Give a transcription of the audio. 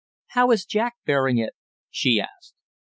"How is Jack bearing it?" she asked.